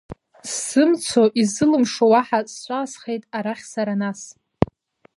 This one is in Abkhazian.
Сзымцо, исылымшо уаҳа, сҿаасхеит арахь сара нас.